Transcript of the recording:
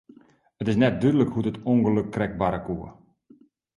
It is net dúdlik hoe't it ûngelok krekt barre koe.